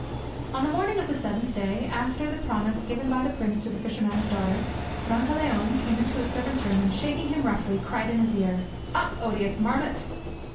On the morning of the seventh day, after the promise given by the prince to the fisherman's daughter, Brancaleone came into his servant's room, and, shaking hint roughly, cried in his ear, "Up, odious marmot!"